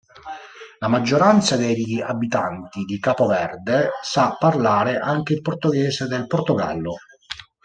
La maggioranza degli abitanti di Capo Verde sa parlare anche il portoghese del Portogallo.